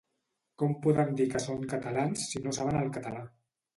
Com poden dir que són catalans si no saben el català